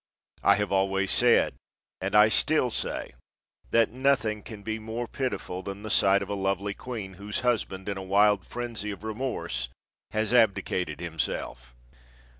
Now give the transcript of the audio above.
I have always said, and I still say, that nothing can be more pitiful than the sight of a lovely queen whose husband, in a wild frenzy of remorse, has abdicated himself.